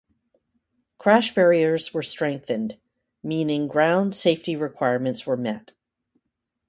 Crash barriers were strengthened, meaning ground safety requirements were met.